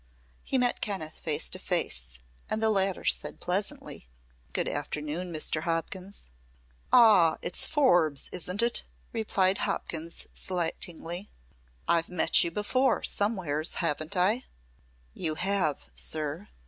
He met Kenneth face to face, and the latter said pleasantly: "Good afternoon, Mr. Hopkins." "Ah, it's Forbes, isn't it?" replied Hopkins, slightingly. "I've met you before, somewheres, haven't I?" "You have, sir."